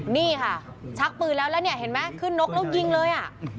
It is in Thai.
นี่ค่ะชักปืนแล้วเห็นไหมขึ้นนกแล้วยิงเลย